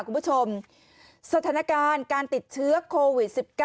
คุณผู้ชมสถานการณ์การติดเชื้อโควิด๑๙